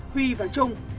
huy và trung